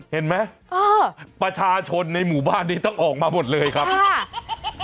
เห็นไหมเออประชาชนในหมู่บ้านนี้ต้องออกมาหมดเลยครับค่ะ